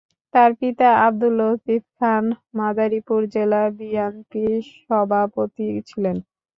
তার পিতা আবদুল লতিফ খান মাদারীপুর জেলা বিএনপির সহসভাপতি ছিলেন।